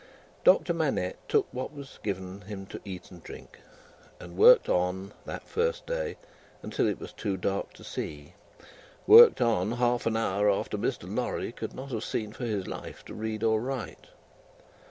Doctor Manette took what was given him to eat and drink, and worked on, that first day, until it was too dark to see worked on, half an hour after Mr. Lorry could not have seen, for his life, to read or write.